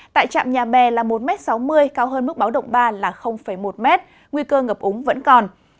tại trạm nhà bè là một sáu mươi m cao hơn mức báo động ba một m nguy cơ ngập úng vẫn còn